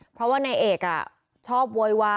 เพราะว่าในเอกอะชอบโวย